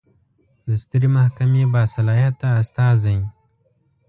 د سترې محکمې باصلاحیته استازی